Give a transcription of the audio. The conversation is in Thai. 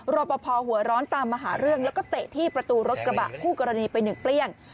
รอปภหัวร้อนตามมาหาเรื่องแล้วก็เตะที่ประตูรถกระบะคู่กรณีไปหนึ่งเปลี้ยง